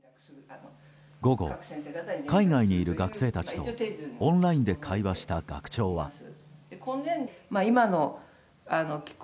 午後、海外にいる学生たちとオンラインで会話した学長は。